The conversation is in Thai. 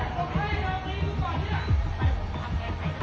สวัสดีครับ